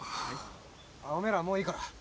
ああおめえらもういいから。